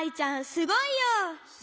すごいよ！